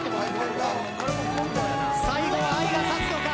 最後は愛が勝つのか。